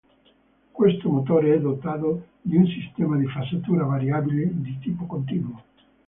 Questo motore è dotato di un sistema di fasatura variabile di tipo continuo.